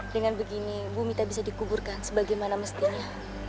dengan begini bu mita bisa dikuburkan sebagaimana mestinya